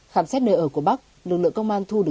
khám xét nơi ở của bắc lực lượng công an thu giữ